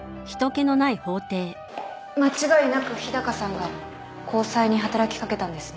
間違いなく日高さんが高裁に働き掛けたんですね。